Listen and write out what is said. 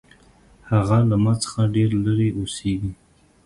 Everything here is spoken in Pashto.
هغه له ما څخه ډېر لرې اوسیږي